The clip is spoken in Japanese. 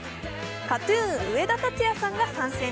ＫＡＴ−ＴＵＮ、上田竜也さんが参戦。